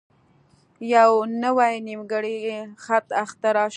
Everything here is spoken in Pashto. یوه نوی نیمګړی خط اختراع شو.